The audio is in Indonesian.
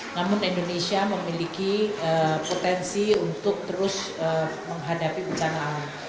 namun indonesia memiliki potensi untuk terus menghadapi bencana alam